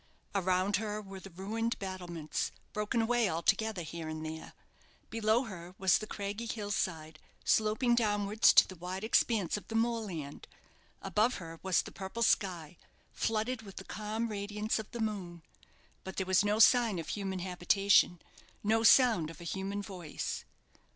Around her were the ruined battlements, broken away altogether here and there; below her was the craggy hill side, sloping downwards to the wide expanse of the moorland; above her was the purple sky, flooded with the calm radiance of the moon; but there was no sign of human habitation, no sound of a human voice.